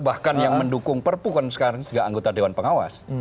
bahkan yang mendukung perpu kan sekarang juga anggota dewan pengawas